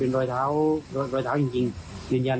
และก็คือว่าถึงแม้วันนี้จะพบรอยเท้าเสียแป้งจริงไหม